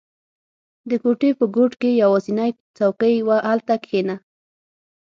• د کوټې په ګوټ کې یوازینی څوکۍ وه، هلته کښېنه.